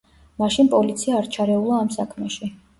მაშინ პოლიცია არ ჩარეულა ამ საქმეში.